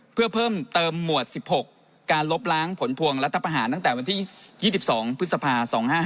เพื่อเพิ่มเติมหมวด๑๖การลบล้างผลพวงรัฐประหารตั้งแต่วันที่๒๒พฤษภา๒๕๕